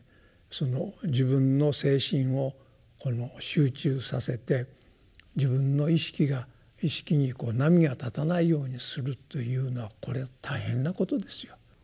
その自分の精神を集中させて自分の意識に波が立たないようにするというのはこれは大変なことですよ。